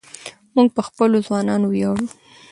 موږ په خپلو ځوانانو ویاړو.